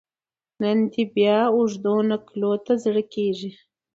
نن دي بیا اوږدو نکلونو ته زړه کیږي